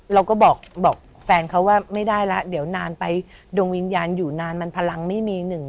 เราก็บอกแฟนเขาว่าไม่ได้แล้วเดี๋ยวนานไปดวงวิญญาณอยู่นานมันพลังไม่มีหนึ่ง